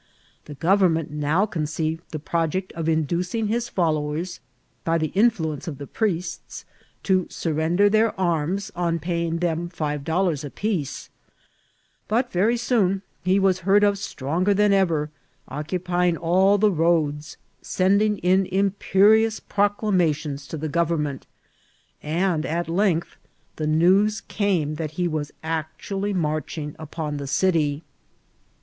The government now conceived the project o£ inducing his followers, by the influence of the priests, to surren der their arms on paying them five dollars apiece ; but very soon he was heard of stronger than ever, occupy ing all the roads, sending in imperious proclamations to the government, and at length the news came that ha was actually marching upon the city.